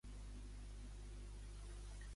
Va vèncer el seu bàndol a la facció franquista?